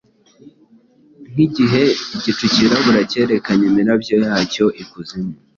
Nkigihe igicu cyirabura cyerekanye imirabyo yacyo ikuzimu.